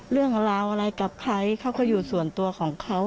เรื่องราวอะไรกับใครเขาก็อยู่ส่วนตัวของเขา